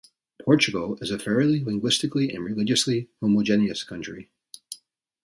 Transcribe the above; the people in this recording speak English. Portugal is a fairly linguistically and religiously homogeneous country.